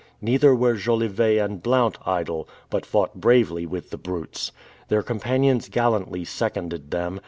Neither were Jolivet and Blount idle, but fought bravely with the brutes. Their companions gallantly seconded them.